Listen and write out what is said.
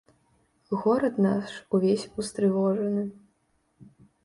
Горад наш увесь устрывожаны.